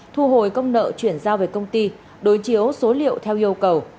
thu hồi công nợ chuyển giao về công ty đối chiếu số liệu theo yêu cầu